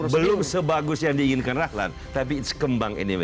belum sebagus yang diinginkan rachlan tapi ikut kembangnyawe